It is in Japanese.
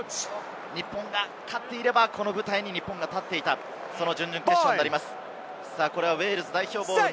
日本が勝っていれば、この舞台に日本が立っていた、その準々決勝です。